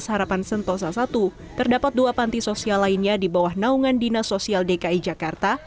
harapan sentosa i terdapat dua panti sosial lainnya di bawah naungan dinas sosial dki jakarta